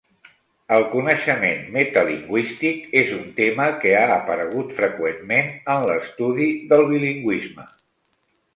El coneixement metalingüístic és un tema que ha aparegut freqüentment en l'estudi del bilingüisme.